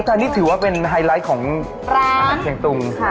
อ๋อแต่นี่ถือว่าเป็นไฮไลท์ของอาหารเชียงตุง